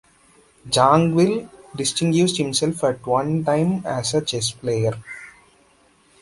Zangwill distinguished himself at one time as a chess player.